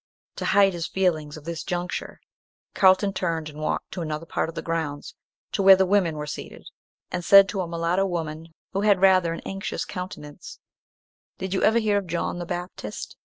To hide his feelings at this juncture, Carlton turned and walked to another part of the grounds, to where the women were seated, and said to a mulatto woman who had rather an anxious countenance, "Did you ever hear of John the Baptist?"